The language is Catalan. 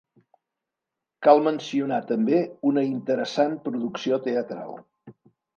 Cal mencionar també una interessant producció teatral.